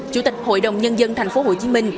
chủ tịch hội đồng nhân dân tp hcm